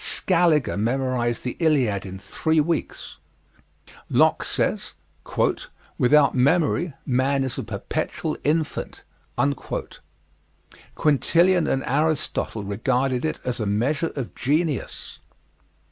Scaliger memorized the Iliad in three weeks. Locke says: "Without memory, man is a perpetual infant." Quintilian and Aristotle regarded it as a measure of genius.